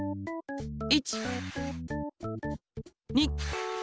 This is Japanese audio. １！２！